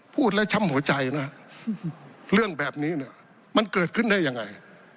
พูดแล้วช้ำหัวใจนะเรื่องแบบนี้เนี่ยมันเกิดขึ้นได้ยังไง